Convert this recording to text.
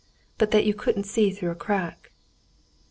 "But that you couldn't see through a crack."